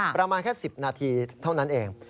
ประมาณแค่๑๐นาทีเท่านั้นเอง